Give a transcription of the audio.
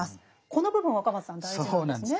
この部分若松さん大事なんですね。